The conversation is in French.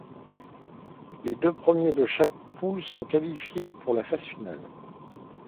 Les deux premiers de chaque poule sont qualifiés pour la phase finale.